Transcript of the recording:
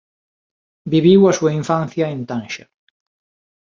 Viviu a súa infancia en Tánxer.